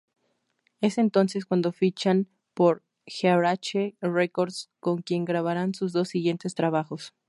Es entonces cuando fichan por Earache Records con quien grabaran sus dos siguientes trabajos.